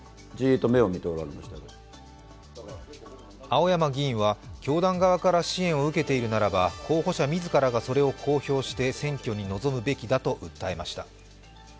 青山議員は教団側から支援を受けているならば候補者自らがそれを公表して選挙に臨むべきだと訴えました。